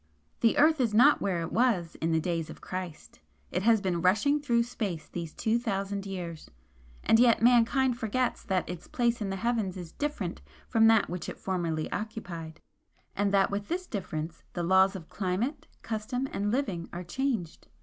The Earth is not where it was in the days of Christ; it has been rushing through space these two thousand years, and yet mankind forgets that its place in the heavens is different from that which it formerly occupied, and that with this difference the laws of climate, custom and living are changed.